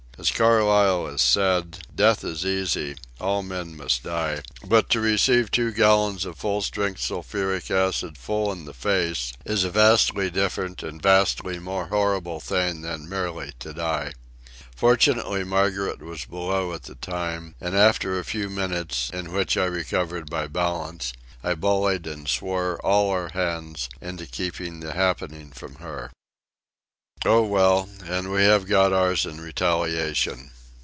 As Carlyle has said: "Death is easy; all men must die"; but to receive two gallons of full strength sulphuric acid full in the face is a vastly different and vastly more horrible thing than merely to die. Fortunately, Margaret was below at the time, and, after a few minutes, in which I recovered my balance, I bullied and swore all our hands into keeping the happening from her. Oh, well, and we have got ours in retaliation.